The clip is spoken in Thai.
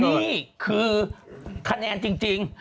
นี่คือคะแนนจริง